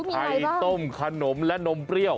ไข่ต้มขนมและนมเปรี้ยว